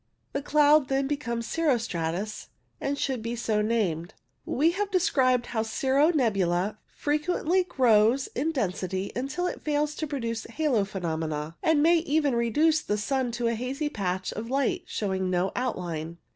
The cloud then becomes cirro stratus, and should be so named. We have described how cirro nebula frequently grows in density until it fails to produce halo phenomena, and may even reduce the sun to a hazy patch of light showing no outline.